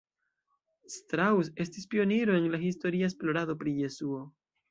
Strauss estis pioniro en la historia esplorado pri Jesuo.